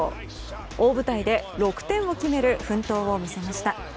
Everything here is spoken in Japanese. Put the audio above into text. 大舞台で６点を決める奮闘を見せました。